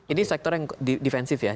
ini sektor yang defensif ya